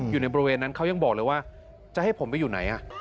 อยู่ในบริเวณนั้นเขายังบอกเลยว่าจะให้ผมไปอยู่ไหน